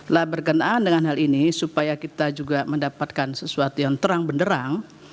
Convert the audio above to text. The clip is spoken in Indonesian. lah berkenaan dengan hal ini supaya kita juga mendapatkan sesuatu yang terang benderang